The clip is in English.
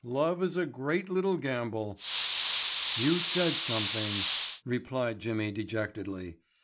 "Love is a great little gamble." "You said something," replied Jimmy dejectedly.